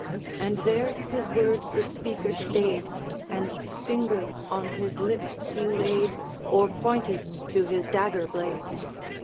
And there his word the speaker stayed, And finger on his lip he laid, Or pointed to his dagger blade.